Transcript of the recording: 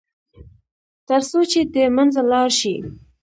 تر څو چې د منځه لاړ شي.